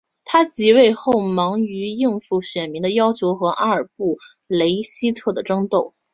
他即位后忙于应付选民的要求和阿尔布雷希特的争斗。